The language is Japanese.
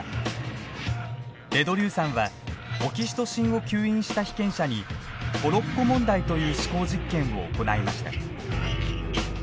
デ・ドリューさんはオキシトシンを吸引した被験者にトロッコ問題という思考実験を行いました。